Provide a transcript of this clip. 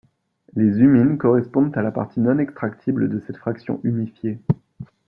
Les humines correspondent à la partie non-extractible de cette fraction humifiée.